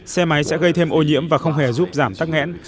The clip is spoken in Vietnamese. xe máy sẽ gây thêm ô nhiễm và không hề giúp giảm tắc nghẽn